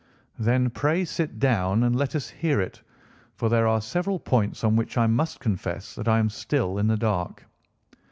"Then, pray, sit down, and let us hear it for there are several points on which I must confess that I am still in the dark."